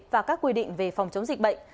và các quy định về phòng chống dịch bệnh